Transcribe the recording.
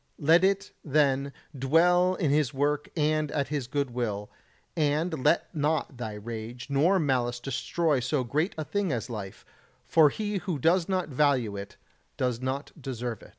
Let it, then, dwell in His work and at His good will, and let not thy rage or malice destroy so great a thing as life, for he who does not value it does not deserve it.